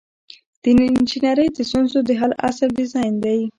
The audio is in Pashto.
د انجنیری د ستونزو د حل اصل ډیزاین دی.